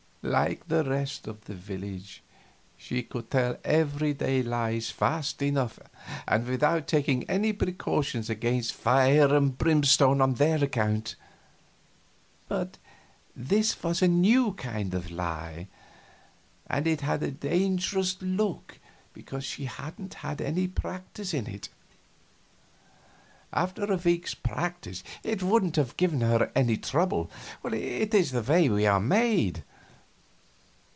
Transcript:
Like the rest of the village, she could tell every day lies fast enough and without taking any precautions against fire and brimstone on their account; but this was a new kind of lie, and it had a dangerous look because she hadn't had any practice in it. After a week's practice it wouldn't have given her any trouble. It is the way we are made.